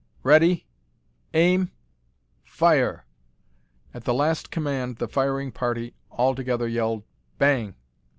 Ready! Aim! Fire!" At the last command the firing party all together yelled, "Bang!"